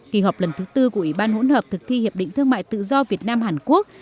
kỳ họp lần thứ bốn của ubhvh thực thi hiệp định thương mại tự do việt nam hàn quốc